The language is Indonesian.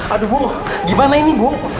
aduh bu gimana ini bu